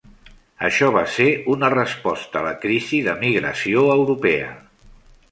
Això va ser una resposta a la crisi de migració europea.